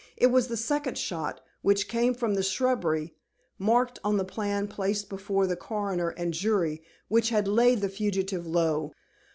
It was the second shot, which came from the shrubbery marked on the plan placed before the Coroner and jury which had laid the fugitive low.